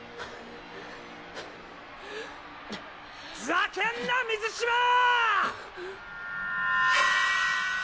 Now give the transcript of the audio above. ざけんな水嶋っ！